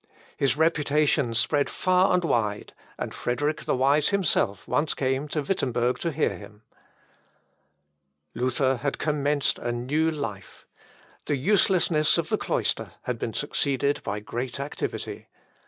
His reputation spread far and wide, and Frederick the Wise himself once came to Wittemberg to hear him. Luther had commenced a new life. The uselessness of the cloister had been succeeded by great activity.